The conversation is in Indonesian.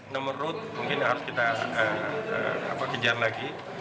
nomor road mungkin harus kita kejar lagi